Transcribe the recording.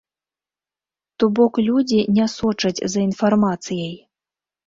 То бок людзі не сочаць за інфармацыяй.